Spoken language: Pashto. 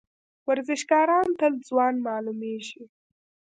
ورزشکاران تل ځوان معلومیږي.